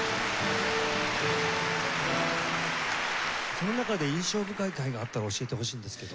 その中で印象深い回があったら教えてほしいんですけど。